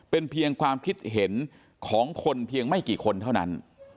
เป็นเพียงความคิดเห็นของคนเพียงไม่กี่คนเท่านั้น